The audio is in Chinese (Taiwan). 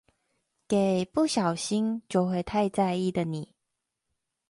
給不小心就會太在意的你